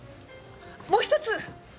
もう一つ！